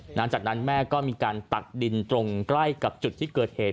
หลังจากนั้นแม่ก็มีการตักดินตรงใกล้กับจุดที่เกิดเหตุ